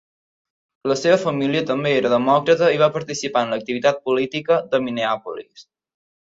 La seva família també era Demòcrata i va participar en l'activitat política de Minneapolis.